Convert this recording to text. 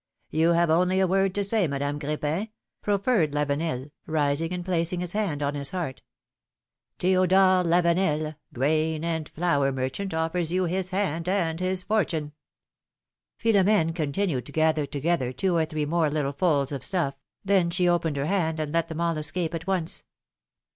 You have only a word to say, Madame Cr^pin," prof fered Lavenel, rising and placing his hand on his heart; Theodore Lavenel, grain and flour merchant, offers you his hand and his fortune !" Philomene continued to gather together two or three more little folds of stuff, then she opened her hand and let them all escape at once.